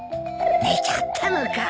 寝ちゃったのか。